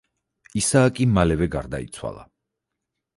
ისააკი მალევე გარდაიცვალა.